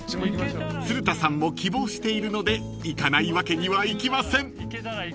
［鶴田さんも希望しているので行かないわけにはいきません］